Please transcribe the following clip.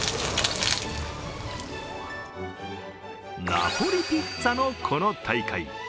ナポリピッツァのこの大会。